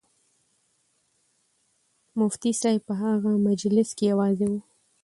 مفتي صاحب په هغه مجلس کې یوازې و.